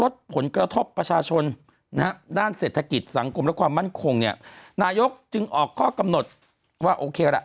ผลกระทบประชาชนนะฮะด้านเศรษฐกิจสังคมและความมั่นคงเนี่ยนายกจึงออกข้อกำหนดว่าโอเคล่ะ